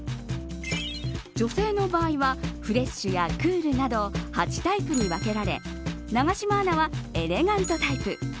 女性の場合はフレッシュやクールなど８タイプに分けられ永島アナはエレガントタイプ。